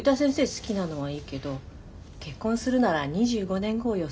好きなのはいいけど結婚するなら２５年後を予想して決めなさい。